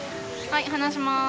はい離します。